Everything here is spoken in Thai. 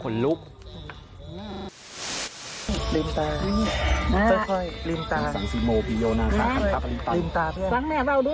โทรดตื่นแคนดี้ตื่นเอาดู